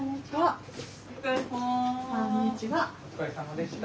お疲れさまでした。